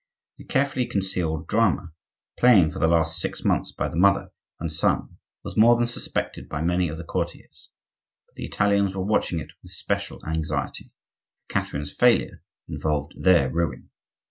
The carefully concealed drama, played for the last six months by the mother and son was more than suspected by many of the courtiers; but the Italians were watching it with special anxiety, for Catherine's failure involved their ruin.